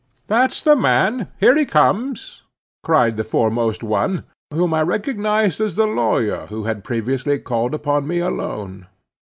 "That's the man—here he comes," cried the foremost one, whom I recognized as the lawyer who had previously called upon me alone.